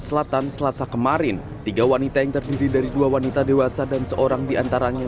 selatan selasa kemarin tiga wanita yang terdiri dari dua wanita dewasa dan seorang diantaranya